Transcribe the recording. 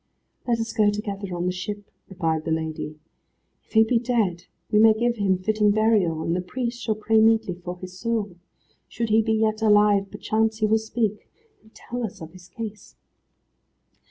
"Let us go together on the ship," replied the lady. "If he be dead we may give him fitting burial, and the priest shall pray meetly for his soul. Should he be yet alive perchance he will speak, and tell us of his case."